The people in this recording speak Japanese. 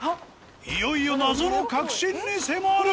いよいよ謎の核心に迫る！